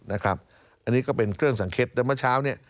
อันนี้ก็เป็นเครื่องสังเกตแต่เมื่อเช้าเนี่ย